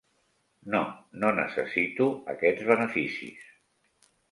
No, no necessito aquests beneficis.